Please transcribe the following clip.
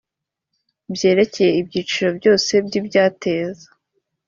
byerekeye ibyiciro byose by ibyateza